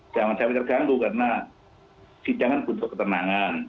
jangan sampai terganggu karena sidangan butuh ketenangan